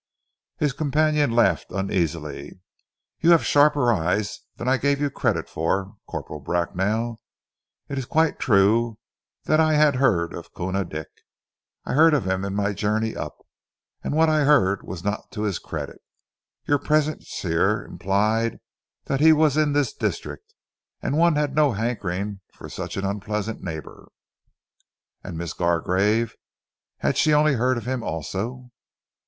His companion laughed uneasily. "You have sharper eyes than I gave you credit for, Corporal Bracknell. It is quite true that I had heard of Koona Dick. I heard of him in my journey up, and what I heard was not to his credit. Your presence here implied that he was in this district, and one had no hankering for such an unpleasant neighbour." "And Miss Gargrave, had she only heard of him also?"